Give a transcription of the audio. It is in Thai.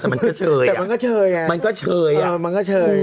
แต่มันก็เชย